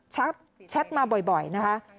แชทมาบ่อยนะคะ